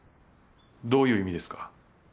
どういう意味ですか？